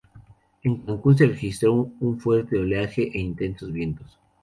En Cancún se registró un fuerte oleaje e intensos vientos.